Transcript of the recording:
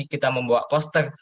kita membawa poster